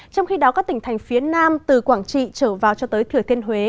trong khi đó các tỉnh thành phía nam từ quảng trị trở vào cho tới thừa thiên huế